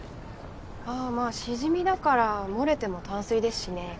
ああまあシジミだから漏れても淡水ですしね